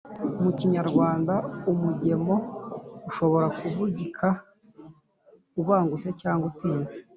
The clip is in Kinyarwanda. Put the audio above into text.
mu kinyarwanda, umugemo ushobora kuvugika ubangutse cyangwa utinze.